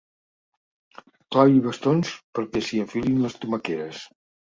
Clavi bastons perquè s'hi enfilin les tomaqueres.